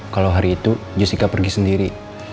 kalau hari itu jessica pergi sendiri